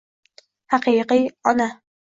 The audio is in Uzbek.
haqiqiy ona